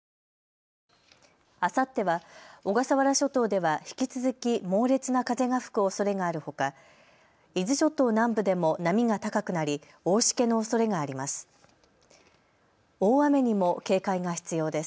あさっては小笠原諸島では引き続き猛烈な風が吹くおそれがあるほか伊豆諸島南部でも波が高くなり大しけのおそれがあります。